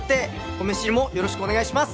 『ホメ知り』もよろしくお願いします。